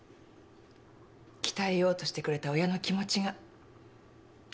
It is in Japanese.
鍛えようとしてくれた親の気持ちが。